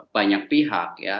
banyak pihak ya